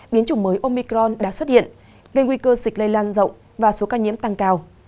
biến chủng mới omicron đã xuất hiện gây nguy cơ dịch lây lan rộng và số ca nhiễm tăng cao